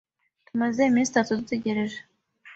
Tumaze iminsi itatu dutegereje.